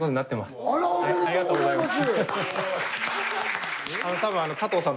ありがとうございます。